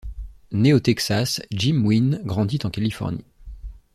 Né au Texas, Jim Wynn grandit en Californie.